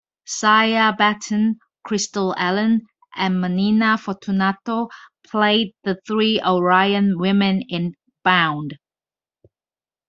Cyia Batten, Crystal Allen and Menina Fortunato played the three Orion women in "Bound".